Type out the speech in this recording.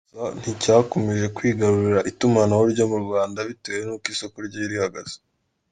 Gusa nticyakomeje kwigarurira itumanaho ryo mu Rwanda bitewe n’uko isoko ryari rihagaze.